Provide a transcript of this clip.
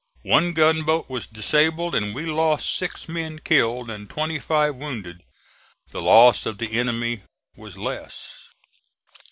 One gunboat was disabled and we lost six men killed and twenty five wounded. The loss of the enemy was less.